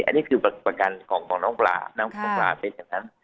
อันนี้คือประกันของน้องปลาน้องปลาเป็นอย่างนั้น